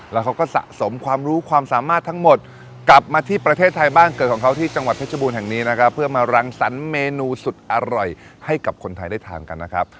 แล้วเขาก็สะสมความรู้ความสามารถทั้งหมดกลับมาที่ประเทศไทยบ้านเกิดของเขาที่จังหวัดเพชรบูรณแห่งนี้นะครับเพื่อมารังสรรค์เมนูสุดอร่อยให้กับคนไทยได้ทานกันนะครับ